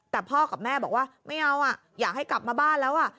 แต่พ่อกับแม่บอกว่าไม่เอาอ่ะอยากให้กลับมาบ้านแล้ว